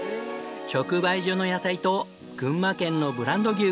直売所の野菜と群馬県のブランド牛